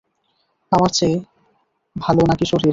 আমার চেয়ে ভাল নাকি শরীর?